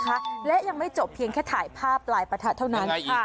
นะคะและยังไม่จบเพียงแค่ถ่ายภาพลายปะทะเท่านั้นค่ะ